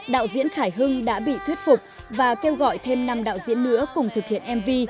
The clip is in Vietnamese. đạo diễn khải hưng đã bị thuyết phục và kêu gọi thêm năm đạo diễn nữa cùng thực hiện mv